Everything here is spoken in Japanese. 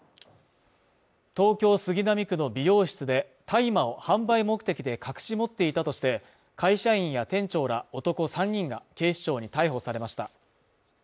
東京杉並区の美容室で大麻を販売目的で隠し持っていたとして会社員や店長ら男３人が警視庁に逮捕されました。